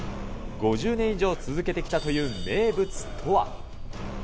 ５０年以上続けてきたという名物とは。